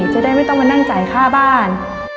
จะได้ไม่ต้องมานั่งจ่ายค่าบ้าน